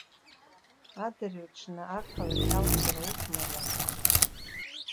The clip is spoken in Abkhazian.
Адырҩаҽны ақалақь алсра ус мариамхеит.